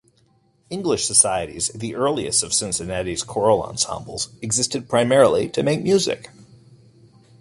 English societies, the earliest of Cincinnati's choral ensembles, existed primarily to make music.